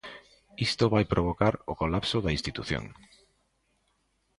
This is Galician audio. Isto vai provocar o colapso da institución.